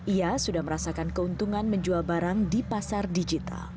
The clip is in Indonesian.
ia sudah merasakan keuntungan menjual barang di pasar digital